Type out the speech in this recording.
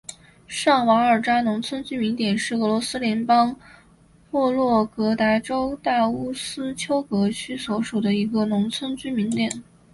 上瓦尔扎农村居民点是俄罗斯联邦沃洛格达州大乌斯秋格区所属的一个农村居民点。